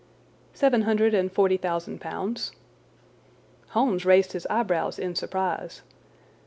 "Seven hundred and forty thousand pounds." Holmes raised his eyebrows in surprise.